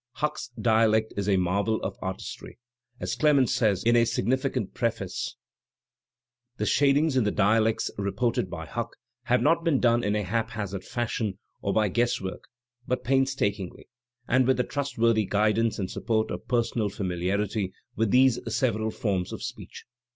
Huck's dialect is a marvel of artistry. As Clemens says in a significant preface, the shadings in the dialects reported by Huck "have not been done in a haphazard fashion, or by guesswork; but painstakingly, and with the trustwprthy guidance and support of personal familiarity with these several forms of speech."